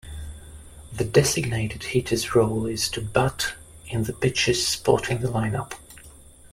The designated hitter's role is to bat in the pitcher's spot in the lineup.